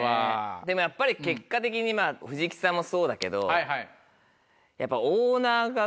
でもやっぱり結果的にまぁ藤木さんもそうだけどやっぱ。